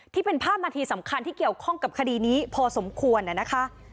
ที่เป็นภาพนาทีสำคัญที่เกี่ยวข้องกับคดีนี้พอสมควรนะคะ